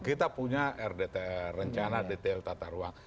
kita punya rdtr rencana detail tata ruang